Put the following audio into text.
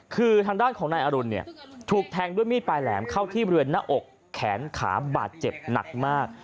คือทางด้านของนายอรุณเนี่ยถูกแทงด้วยมีดปลายแหลมเข้าที่บริเวณหน้าอกแขนขาบาดเจ็บหนักมาก